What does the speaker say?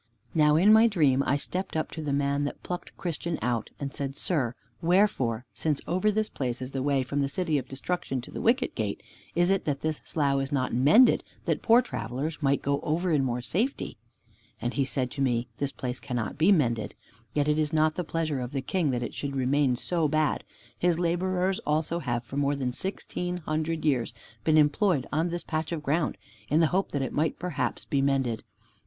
Now in my dream I stepped up to the man that plucked Christian out, and said: "Sir, wherefore, since over this place is the way from the City of Destruction to the Wicket gate, is it that this Slough is not mended, that poor travelers might go over in more safety?" And he said to me, "This place cannot be mended, yet it is not the pleasure of the King that it should remain so bad. His laborers also have for more than sixteen hundred years been employed on this patch of ground, in the hope that it might perhaps be mended.